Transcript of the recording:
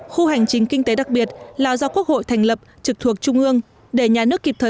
khu hành chính kinh tế đặc biệt là do quốc hội thành lập trực thuộc trung ương để nhà nước kịp thời